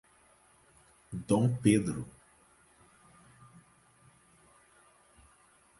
Dom Pedro